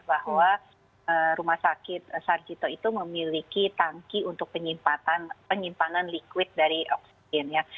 bahwa rumah sakit sarjito itu memiliki tangki untuk penyimpangan liquid dari oksigen ya